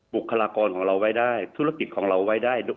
คลากรของเราไว้ได้ธุรกิจของเราไว้ได้